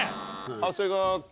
長谷川君。